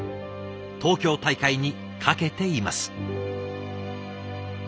東京大会にかけています。